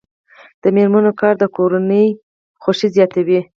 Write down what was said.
د میرمنو کار د کورنۍ خوښۍ زیاتوي.